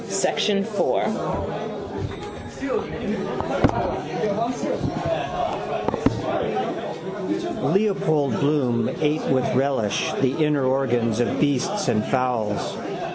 — II —[ 4 ] Mr Leopold Bloom ate with relish the inner organs of beasts and fowls.